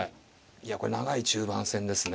いやこれ長い中盤戦ですね。